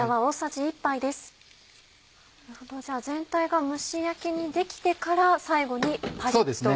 じゃあ全体が蒸し焼きにできてから最後にパリっと。